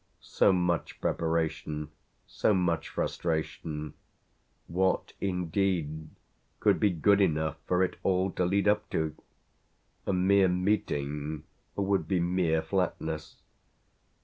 So much preparation, so much frustration: what indeed could be good enough for it all to lead up to? A mere meeting would be mere flatness.